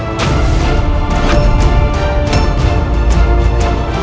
untuk membunuh gadis itu